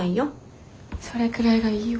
それくらいがいいよ。